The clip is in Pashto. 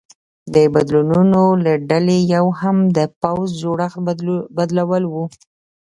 د بدلونونو له ډلې یو هم د پوځ جوړښت بدلول و